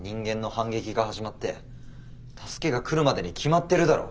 反撃が始まって助けが来るまでに決まってるだろ。